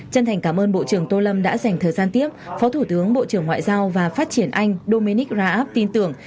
chân thành cảm ơn bộ trưởng tô lâm đã dành thời gian tiếp phó thủ tướng bộ trưởng ngoại giao và phát triển anh dominic raab tin tưởng